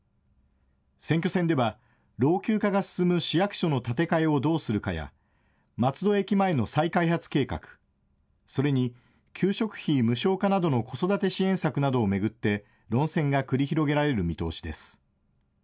選挙戦では老朽化が進む市役所の建て替えをどうするかや松戸駅前の再開発計画、それに給食費無償化などの子育て支援策などを巡って論戦が繰り広げられる見通しです。